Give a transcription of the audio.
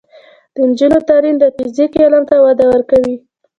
د نجونو تعلیم د فزیک علم ته وده ورکوي.